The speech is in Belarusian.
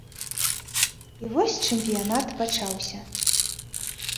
І вось чэмпіянат пачаўся.